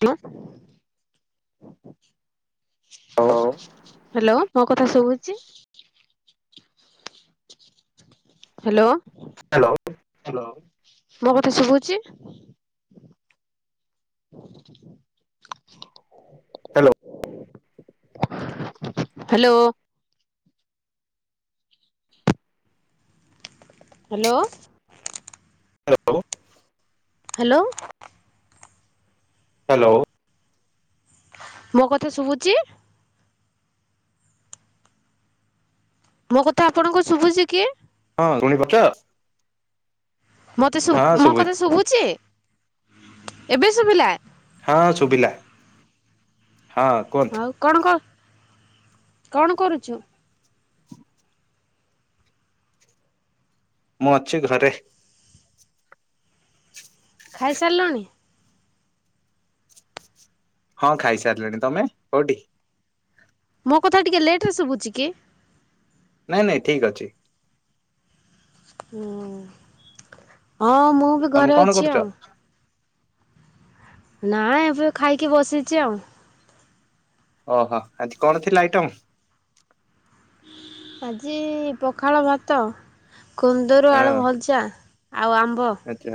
କଲା [unintelligible] ହଉ ହ୍ୟାଲୋ ମୋ କଥା ଶଭୁଛି? ହ୍ୟାଲୋ। ହ୍ୟାଲୋ ମୋ କଥା ଶଭୁଛି? [inaudible] Hello. Hello. Hello. Hello. Hello. ମୋ କଥା ଶୁବୁଛି? ମୋ କଥା ଆପଣଙ୍କୁ ଶୁବୁଚି କି? ହଁ [unintelligible] ମତେ ଶୁ ହଁ ମୋ ଶୁଭି କଥା ଶୁବୁଛି ଏବେ ଶୁଭିଲା। ହାଁ ଶୁବିଲା ହାଁ। ଆଉ କଣ କ କଣ କରୁଛୁ? ମୁଁ ଅଛି ଘରେ। ଖାଇସାରିଲଣି? ହଁ ଖାଇସାରିଲିଣି ତମେ କୋଉଠି? ମୋ କଥା ଟିକେ ଲେଟ୍ ରେ ଶୁଭୁଛି କି? ନାଇଁ ନାଇଁ ଠିକ୍ ଅଛି। ହୁଁ ହଁ ମୁଁ ବି ତମେ ଘରେ କଣ ଅଛି କରୁଛ ଆଉ। ନାଁ ଏବେ ଖାଇକି ବସିଛି ଆଉ। ଓହୋ ଆଜି କଣ ଥିଲା ଆଇଟମ୍? ଆଜି ପଖାଳ ଭାତ କୁନ୍ଦରୁ ଆଳୁ ଭଜା। ଆଉ ଆମ୍ବ। ଆଚା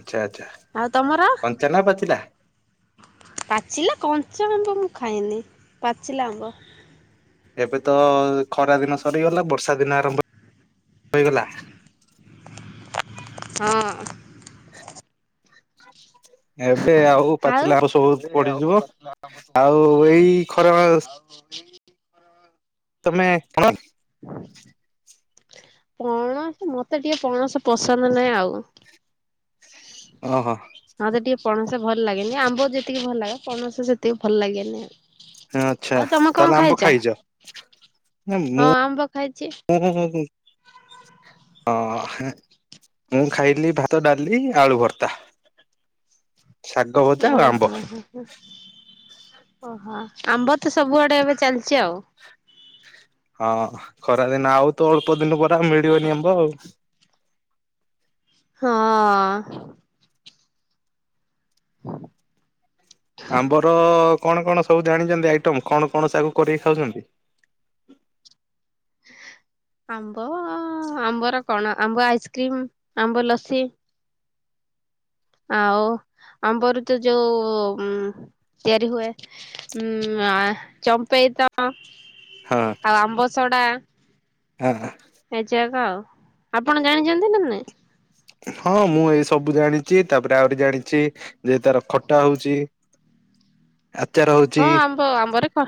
ଆଚ୍ଛା ଆଚା। ଆଉ ତମର? କଞ୍ଚା ନା ପାଚିଲା? ପାଚିଲା କଞ୍ଚା ଆମ୍ବ ମୁଁ ଖାଇନି ପାଚିଲା ଆମ୍ବ। ଏବେ ତ ଖରା ଦିନ ସରିଗଲା ବର୍ଷା ଦିନ ଆରମ୍ଭ ହେଇଗଲା। ହଁ। ଆଉ ଏବେ ଆଉ ପାଚିଲା ଆମ୍ବ ସବୁ ପଡିଯିବ ଏଇ ଖରା ଆଉ ତମେ [unintelligible] ପଣ ମତେ ଟିକେ ପଣସ ପସନ୍ଦ ନାହିଁ ଆଉ। ଅ ହ। ମତେ ଟିକେ ପଣସ ଭଲ ଲାଗେନି ଆମ୍ବ ଯେତିକି ଭଲ ଲାଗେ ପଣସ ସେତିକି ଭଲ ଲାଗେନି ଆଉ। ଆଚ୍ଛା ଆଉ ତମେ କଣ ତାହେଲେ ଆମ୍ବ ଖାଇଛ? [unintelligible] ହଁ। ଆମ୍ବ ଖାଇଛି ମୁଁ ଖାଇଲି ଭାତ ଡାଲି ଆଳୁ ଭର୍ତ୍ତା ସା ଗଭଜା ହଁ ଆଉ ଆମ୍ବ। ହଁ ହଁ ଓହୋ ଆମ୍ବ ତ ସବୁଆଡ଼େ ଏବେ ଚାଲିଛି ଆଉ। ହଁ ଖରାଦିନ ଆଉ ତ ଅଳ୍ପ ଦିନ ପରେ ମିଳିବନି ଆମ୍ବ ଆଉ। ହଁ। ଆମ୍ବର କଣ କଣ ସବୁ ଜାଣିଛନ୍ତି ଆଇଟମ୍ କଣ କଣ ସବୁ କରିକି ଖାଉଛନ୍ତି? ଆମ୍ବ ଆମ୍ବର କଣ ଆମ୍ବ ଆଇସ୍କ୍ରିମ ଆମ୍ବ ଲସି ଆଉ ଆମ୍ବର ତ ଯୋଉ ଉଁ ତିଆରି ହୁଏ ହୁଁ ଆ ଚମ୍ପେଇ ତ ଅ ହଁ। ଆଉ ଆମ୍ବଶଡା ଏ ଯାକ ଆଉ ଆପଣ ଜାଣିଛନ୍ତି ନା ନାଇଁ ହଁ ମୁଁ ଏଇ ସବୁ ଜାଣିଛି ତାପରେ ଆହୁରି ଜାଣିଛି ଯେ ତାର ଖଟା ହଉଛି ହ [inaudible] ଆଚାର ହଉଛି ହ ଆମ୍ବରେ ଖ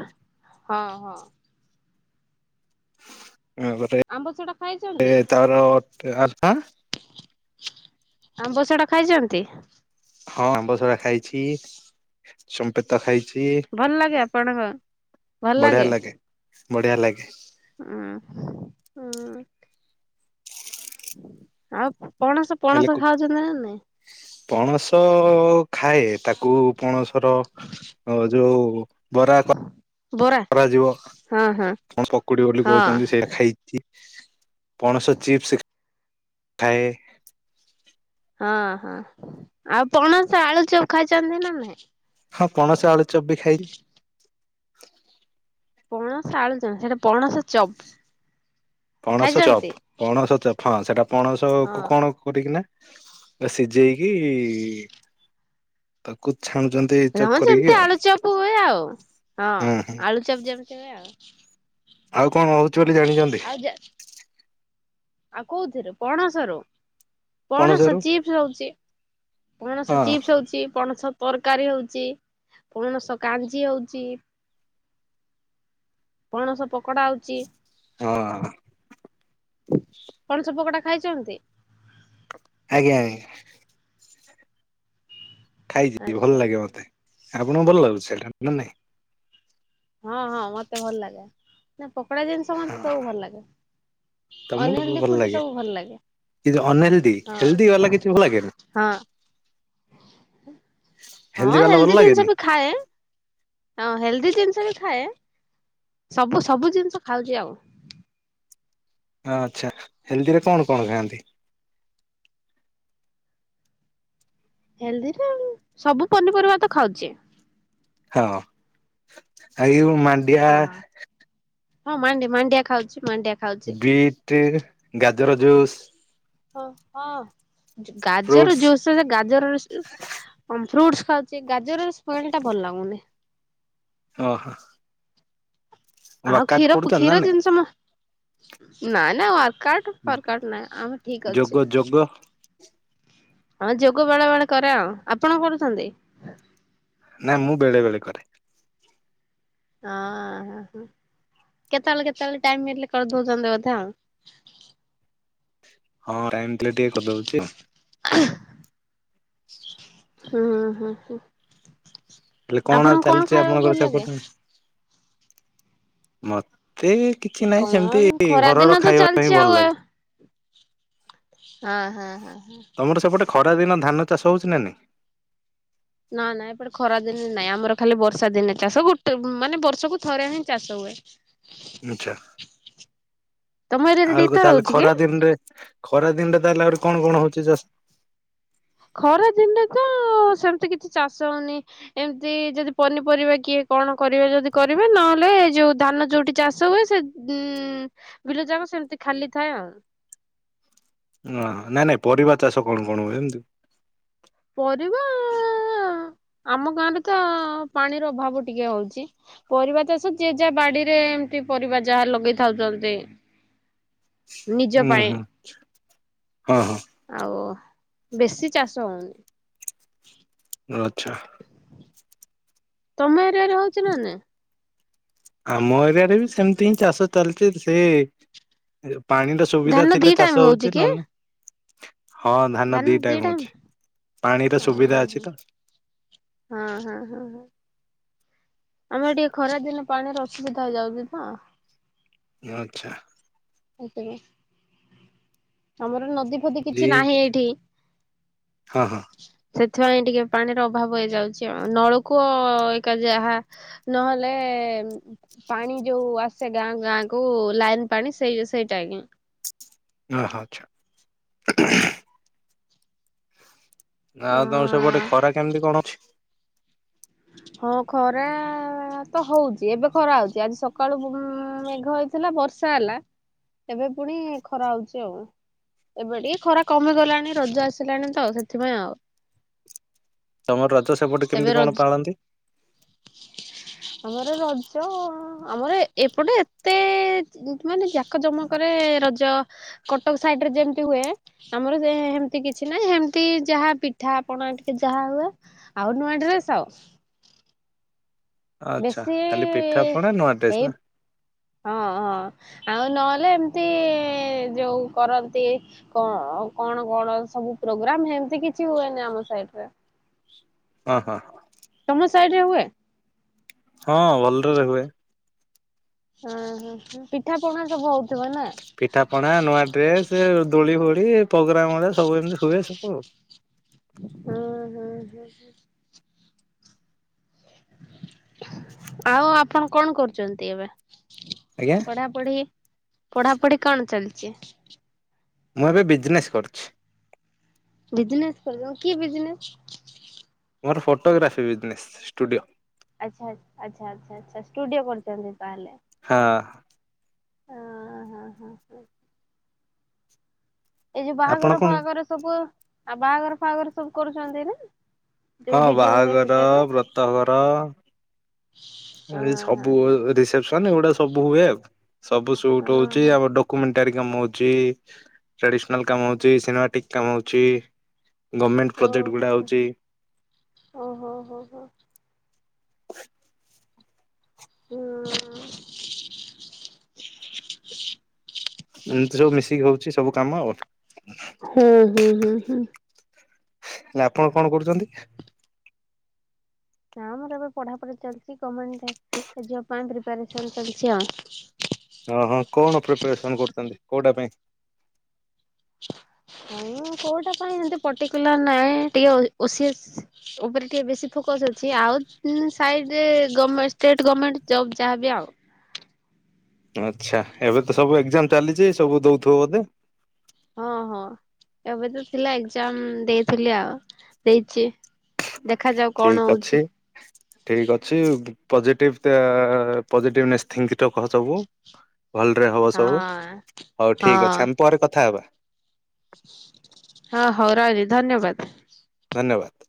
ହଁ ହଁ ଆମ୍ବରେ ଆମ୍ବ ସଡା ଏ ଖାଇଛନ୍ତି? ତାର ଆତା ଆମ୍ବ ଶଡା ଖାଇଚନ୍ତି ହଁ ଆମ୍ବସରା ଖାଇଛି ଚମ୍ପେତା ଖାଇଛି ଭଲ ଲାଗେ ଆପଣଙ୍କ ବଢିଆ ଲାଗେ ବଢିଆ ଲାଗେ ଉଁ ହୁଁ ହୁଁ ଆଉ ପଣସ ହେଲେ ପଣସ ଖାଉଛନ୍ତି ନା ନାଇଁ ପଣସ ଖାଏ ତାକୁ ପଣସର ଅ ଯୋଉ ବରା କ ବରା କରାଯିବ ହଁ ହଁ କଣ ପକୁଡି ହଁ। ବୋଲି ହଁ କହୁଛନ୍ତି ସେଇଟା ଖାଇଛି ପଣସ ଚିପ୍ସ ଖାଏ ଅଁ ହଁ ଆଉ ପଣସ ଆଳୁ ଚପ ଖାଇଛନ୍ତି ନା ନାଇଁ ହଁ ପଣସ ଆଳୁ ଚପ୍ ବି ଖାଇଚି ପଣସ ଆଳୁଚନା ସେଇଟା ପଣସ ଚପ ପଣସ ଚପ ପଣସ ଚପ ହଁ ସେଟା ପଣସ ହଁ। କୁ କଣ କରିକିନା ସିଝେଇକି ତାକୁ ଛାଣୁଚନ୍ତି ହଁ ସେମିତି ଆଳୁଚପ ହୁଏ ଆଉ ହଁ ହୁଁ ହୁଁ ଆଳୁଚପ ଯେମିତି ହୁଏ ଆଉ ଆଉ କଣ ହୋଉଚି ବୋଲି ହଁ ଜାଣିଚନ୍ତି ଆଉ ଯେ ଆଉ କୋଉଥିରେ ପଣସରୁ ପଣସ ପଣସରୁ ଚିପ୍ସ ହଉଛି ପଣସ ହଁ ହଁ ଚିପ୍ସ ହଉଛି ପଣସ ତରକାରୀ ହଉଚି ପଣସ କାଞ୍ଜି ହଉଚି ପଣସ ପକୋଡା ଆଉ ଚିପ୍ସ ହଁ ପଣସ ପକୋଡା ଖାଇଛନ୍ତି [unintelligible] ଆଜ୍ଞା, ଆଜ୍ଞା ଖାଇଛି ଆଚ୍ଛା ଭଲ ଲାଗେ ମତେ ଆପଣଙ୍କୁ ଭଲ ଲାଗୁଛି ସେଇଟା, ନା ନାଇଁ ହଁ, ହଁ ମତେ ଭଲ ଲାଗେ ନା ପକୋଡ଼ା ଜିନିଷ ମତେ ହଁ ସବୁ ଭଲ ଲାଗେ। ଅନହେଲଦି ଫୁଡ ସବୁ ଭଲ ଲାଗେ। କି ଅନହେଲଦି ହଁ ହେଲଦି ବାଲା କିଛି ଲାଗେନି ହଁ। ହଁ ବାଲା ଭଲ ହେଲ୍ଦି ଲାଗେନି ଜିନିଷ ବି ଖାଏ ହଁ ହେଲ୍ଦି ଜିନିଷ ବି ଖାଏ ସବୁ ସବୁ ଜିନିଷ ଖାଉଛି ଆଉ ଆଚ୍ଛା ହେଲ୍ଦିରେ କଣ କଣ ଖାଆନ୍ତି ହେଲ୍ଦି ନା ସବୁ ପନିପରିବା ତ ଖାଉଛି ହଁ ଆଜି ମାଣ୍ଡିଆ ହଁ ହଁ ମାଣ୍ଡି, ମାଣ୍ଡିଆ ଖାଉଛି ମାଣ୍ଡିଆ ଖାଉଛି ବିଟ୍ ଗାଜର ଜୁସ୍ ହଁ ହଁ ଜୁ ଗାଜର ଫ୍ରୁଟସ୍ ଜୁସରେ ଗାଜର ଜୁସ ଫ୍ରୁଟସ ଖାଉ ସେ ଗାଜରର ସ୍ମେଲ୍ ଟା ଭଲ ଲାଗୁନି ଓଃ ଆଉ କ୍ଷୀରକୁ କରୁଛନ୍ତି ନା କ୍ଷୀର ନାଇଁ? ଜିନିଷ ମ ନା ନା ୱର୍କଆଉଟ୍ ୱର୍କଆଉଟ୍ ଫରକାଉଟ ନାହିଁ ଆମେ ଠିକ ଯୋଗ ଅଛୁ ଯୋଗ ହଁ ଯୋଗ ବେଳେ ବେଳେ କରେ ଆଉ ଆପଣ କରୁଛନ୍ତି ନା ମୁଁ ବେଳେ ବେଳେ କରେ ଓଁହ ହୋ କେତେବେଳେ କେତେବେଳେ ଟାଇମ ମିଳିଲେ କରିଦଉଛନ୍ତି ବୋଧେ ଆଉ ହଁ ଟାଇମ୍ ଥିଲେ ଟିକେ କରିଦଉଛି ଆହ୍ [inaudible] ହୁଁ ହଁ ହ ହେଲେ କଣ ଆଉ ଚାଲିଚି ଖାଇବାକୁ ଆପଣଙ୍କର ଭଲ ଲାଗେ ସେପଟେ ମ ଏଇ କିଛି ନାହିଁ କଣ ସେମିତି ଘରର ଖାଇବା ପାଇଁ ଭଲ ଲାଗେ ଅ ହ ହ ହ ତମର ସେପଟେ ଖରା ଦିନ ଧାନ ଚାଷ ହଉଛି ନା ନାହିଁ ନା ନାଁ ଏପଟେ ଖରା ଦିନେ ନାଇଁ ଆମର ଖାଲି ବର୍ଷା ଦିନେ ଚାଷ ଗୋଟେ ମାନେ ବର୍ଷକୁୁ ଥରେ ହିଁ ଚାଷ ହୁଏ ଆଛା ଆଛା ତମ ଏରିଆରେ ଆଉକୁ ଦିଥର ତାହାଲେ ହଉଛି କି? ଖରା ଦିନରେ ଖରା ଦିନଟା ତାହେଲେ ଆହୁରି କଣ କଣ ହଉଛି ଚାଷ ଖରା ଦିନଟା ତ ସେମିତି କିଛି ଚାଷ ହଉନି ଏମିତି ଯଦି ପନିପରିବା କିଏ କଣ କରିବେ ଯଦି କରିବେ ନହେଲେ ଏ ଯୋଉ ଧାନ ଯୋଉଠି ଚାଷ ହୁଏ ସେ ଉଁ ବିଲ ଯାକ ସେମିତି ଖାଲି ଥାଏ ଆଉ ନା ନାଇଁ ନାଇଁ ପରିବା ଚାଷ କଣ କଣ ହୁଏ ଏମତି ପରିବା ଆମ ଗାଁ ରେ ତ ପାଣିର ଅଭାବ ଟିକେ ହଉଚି ପରିବା ଚାଷ ଯିଏ ଯାହା ବାଡ଼ିରେ ଏମତି ପରିବା ଯାହା ଲଗେଇଥାଉ ଜଲଦି ହୁଁ ହୁଁ ଅ, ହଁ ଆଉ ବେଶୀ ଚାଷ ହଉନି ଆଛା ତମ ଏରିଆ ରେ ହଉଚି ନା ନାଇ ଆମ ଏରିଆ ରେ ବି ସେମିତି ହିଁ ଚାଷ ଚାଲିଛି ସେ ଜୋ ପାଣିଟା ସୁବିଧା ଧାନ ଦି ଥିଲେ ଟାଇମ ଚାଷ ହଉଛି କି ନହେଲେ ନା ହଁ ଧାନ ଦିଟା ଦି ଗୁଣୁଛି ଟାଇମ ପାଣିର ସୁବିଧା ଅଛି ତ ହଁ ହଁ ହଁ ହଁ ଆମର ଟିକେ ଖରା ଦିନେ ପାଣିର ଅସୁବିଧା ହେଇଯାଉଛି ତ ଆଛା ହେଇପାରିବ ଆମର ନଦୀ ବିପତ୍ତି କିଛି ଦି ନାହିଁ ଏଇଠି। ହଁ ହଁ ସେଥିପାଇଁ ଟିକେ ପାଣିର ଅଭାବ ହେଇଯାଉଛି ଆଉ ନଳକୂଅ ଏକା ଯାହା ନହଲେ ପାଣି ଯୋଉ ଆସେ ଗାଁ ଗାଁ କୁ ଲାଇନ ପାଣି। ସେଇଟା ସେଇଟା ଆଜ୍ଞା? ଓ ହଁ ଆଛା ଆଉ ତମ ସେପଟେ ଖରା କେମିତି କଣ ଅଛି। ହଁ ଖରା ତ ହଉଚି ଏବେ ଖରା ହଉଚି ଆଜି ସକାଳୁ ମେଘ ହେଇଛି। ହେଲା ବର୍ଷା ହେଲା ଏବେ ପୁଣି ଖରା ହଉଛି ଆଉ। ଏବେ ଟିକେ ଖରା କମିଗଲାଣି ରଜ ଆସିଲାଣି ତ ସେଥିପାଇଁ ଆଉ। ତମର ରଜ ସେପଟେ ଏବେ କେମିତି କଣ ରଜ ପାଳନ୍ତି? ଆମର ରଜ ଆମର ଏପଟେ ଏତେ ମାନେ ଯାକ ଜମକରେ ରଜ କଟକ ସାଇଡ ରେ ଯେମତି ହୁଏ ଆମର ଏମତି କିଛି ନାହିଁ ସେମତି ଯାହା ପିଠାପଣା ଟିକେ ଯାହା ହୁଏ। ଆଉ ନୁଆଡ୍ରେସ ଆଉ। ଆଚ୍ଛା ବେଶୀ ଖାଲି ପିଠା ପଣା ନୂଆ ଡ୍ରେସ ଏଇ ନା? ହଁ ହଁ ଆଉ ନହେଲେ ଏମିତି ଯୋଉ କରନ୍ତି କଣ କଣ କଣ ସବୁ ପ୍ରୋଗ୍ରାମ ଏମତି କିଛି ହୁଏନି ଆମ ସାଇଟରେ। ହଁ ହଁ। ତମ ସାଇଡ ରେ ହୁଏ? ହଁ ଭଲରେ ହୁଏ। ଓହୋ ପିଠା ପଣା ସବୁ ହଉଥିବ ନା? ପିଠା ପଣା ନୂଆ ଡ୍ରେସ ଦୋଳି ଫୋଳି ପ୍ରୋଗ୍ରାମ ସବୁ ଏମିତି ହୁଏ ସବୁ ଆଉ। ହଁ ହଁ ହଁ। ଆଉ ଆପଣ କଣ କରୁଛନ୍ତି ଏବେ ଆଜ୍ଞା ପଢା ପଢି ପଢାପଢି କଣ ଚାଲିଛି? ମୁଁ ଏବେ ବିଜନେସ୍ କରୁଛି। ବିଜନେସ କଲ କି ବିଜନେସ? ମୋର ଫଟୋଗ୍ରାଫି ବିଜନେସ୍ ଷ୍ଟୁଡିଓ। ଆଚ୍ଛା ଆଚ୍ଛା ଆଚ୍ଛା ଆଛା ଷ୍ଟୁଡିଓ କରିଛନ୍ତି ତାହେଲେ। ହଁ। ଅ ହଁ ହଁ ହଁ। ଏଇ ଯୋଉ ଆପଣ ବାହାଘର କଣ ପାହାଘର ସବୁ ଆଉ ବାହାଘର ପାହାଘର ସବୁ କରୁଛନ୍ତି ନା? ଯୋଉ ହଁ ଭିଡିଓ ହୁଏ ବାହାଘର ସେଯାକ? ବ୍ରତ ଘର। ହଁ ଏଇ ହଁ ହଁ ସବୁ ହଁ ହଁ। ରିସେପସନ ଏଗୁଡା ସବୁ ହୁଏ ଆଉ ସବୁ ଓହୋ ସୁଟ ହଉଛି ଆମ ଡ ଡମେଣ୍ଟାରୀ କାମଅଛି, ଟ୍ରାଡିସନାଲ କାମଅଛି, ସିନେମାଟିକ କାମଅଛି। ଓ ହୋ ହୋ ଓ ହୋ ହୋ ହୋ। ହମ୍। ଏମିତି ସବୁ ମିଶିକି ହଉଛି ସବୁ କାମ ଆଉ ହଁ ହୁଁ ହୁଁ ହୁଁ। ହେଲେ ଆପଣ କଣ କରୁଛନ୍ତି? ନା ମୋର ଏବେ ପଢାପଢି ଚାଲିଛି ଗମେଣ୍ଟ ଜବ ପାଇଁ ପ୍ରିପାରେସନ ଚାଲିଛି ଆଉ। ଓ ହଁ କଣ ପ୍ରିପାରେସନ କରୁଛନ୍ତି କୋଉଟା ପାଇଁ? ନାଇ କୋଉଟା ପାଇଁ ଏମିତି ପର୍ଟିକୁଲାର ନାହିଁ ଟିକେ ଓସିଏସ। ଉପରେ ଟିକେ ବେଶୀ ଫୋକସ ଅଛି ଆଉ ସାଇଡରେ ଷ୍ଟେଟ ଗଭର୍ଣ୍ଣମେଣ୍ଟ ଜବ୍ ଯାହାବି ଆଉ। ଆଚ୍ଛା ଏବେ ତ ସବୁ ଏକ୍ଜାମ ଚାଲିଛି ସବୁ ଦଉଥିବ ବୋଧେ। ହଁ ହଁ ଏବେ ତ ଥିଲା ଏକ୍ଜାମ ଦେଇଥିଲି ଆଉ ଦେଇଛି। ଦେଖାଯାଉ କଣ ଠିକ ହଉଛି ଅଛି ଠିକ ଅଛି। ପଜିଟିଭ୍ ପଜିଟିଭନେସ୍ ଥିଙ୍କ ରଖ ସବୁ। ଭଲରେ ହବ ସବୁ ହଁ ହଉ ହଁ ଠିକ୍ ଅଛି ଆମେ ପରେ କଥା ହେବା। ହଁ ହଉ ରହିଲି ଧନ୍ୟବାଦ। ଧନ୍ୟବାଦ।